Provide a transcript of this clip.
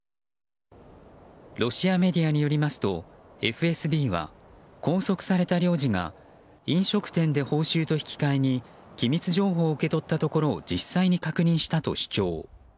ロシアメディアによりますとＦＳＢは拘束された領事が飲食店で報酬と引き換えに機密情報を受け取ったところを実際に確認したと主張。